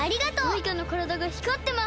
マイカのからだがひかってます！